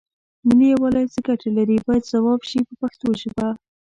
ملي یووالی څه ګټې لري باید ځواب شي په پښتو ژبه.